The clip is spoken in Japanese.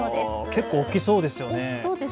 結構大きそうですよね。